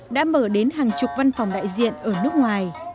đã mở đến hàng chục văn phòng đại diện ở nước ngoài